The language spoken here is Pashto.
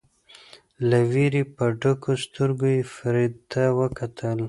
له وېرې په ډکو سترګو یې فرید ته وکتل.